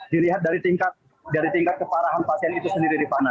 dilihat dari tingkat keparahan pasien itu sendiri rifana